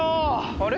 あれ？